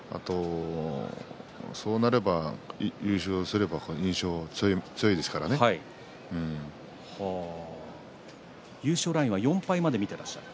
そうなれば、優勝すれば優勝ラインは４敗まで見ていらっしゃる？